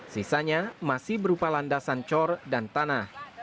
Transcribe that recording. sisanya masih berupa landasan cor dan tanah